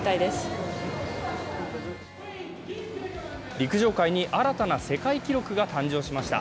陸上界に新たな世界記録が誕生しました。